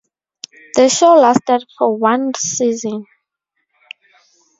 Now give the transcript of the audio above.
The show lasted for one season.